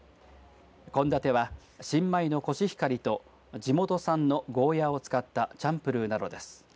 献立は新米のコシヒカリと地元産のゴーヤーを使ったチャンプルなどです。